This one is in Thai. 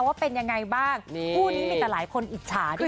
ว่าเป็นยังไงบ้างคู่นี้มีแต่หลายคนอิจฉาด้วย